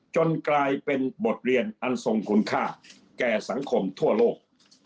จนกลายเป็นบทเรียนอันทรงคุณค่าแก่สังคมทั่วโลก